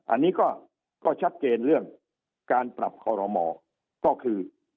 อันนี้ก็ชัดเจนเรื่องการปรับคอรมอก็คือ